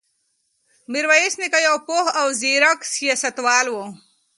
میرویس نیکه یو پوه او زیرک سیاستوال و.